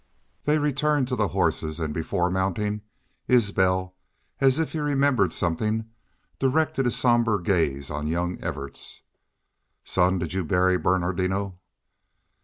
They returned to the horses, and, before mounting, Isbel, as if he remembered something, directed his somber gaze on young Evarts. "Son, did you bury Bernardino?"